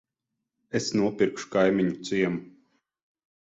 Es nopirkšu kaimiņu ciemu.